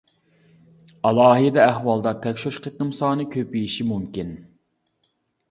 ئالاھىدە ئەھۋالدا، تەكشۈرۈش قېتىم سانى كۆپىيىشى مۇمكىن.